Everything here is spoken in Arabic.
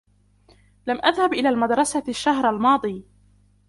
لم أذهب إلى المدرسة الشهر الماضي.